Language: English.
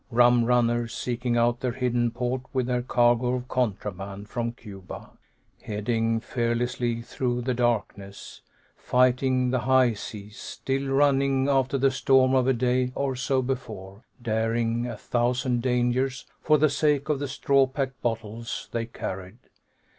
Rum runners, seeking out their hidden port with their cargo of contraband from Cuba. Heading fearlessly through the darkness, fighting the high seas, still running after the storm of a day or so before, daring a thousand dangers for the sake of the straw packed bottles they carried.